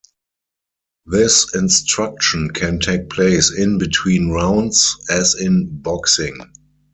This instruction can take place in between rounds, as in boxing.